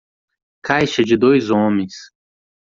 Caixa de dois homens.